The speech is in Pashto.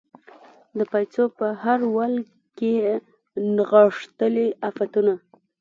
د پایڅو په هر یو ول کې یې نغښتلي عفتونه